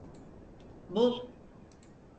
Bul.